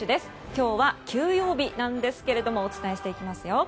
今日は休養日なんですけれどもお伝えしていきますよ。